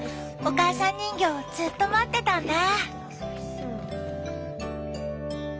お母さん人形ずっと待ってたんだぁ。